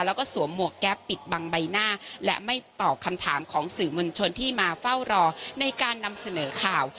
แล้วก็สวมหมวกแก๊ปปิดบังใบหน้าและไม่ตอบคำถามของสื่อมวลชนที่มาเฝ้ารอในการนำเสนอข่าว